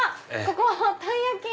ここ「たい焼き」。